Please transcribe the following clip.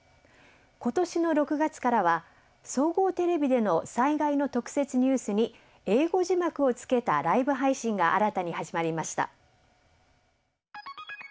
今年の６月からは総合テレビでの災害の特設ニュースに英語字幕をつけたライブ配信が新たに始まりました。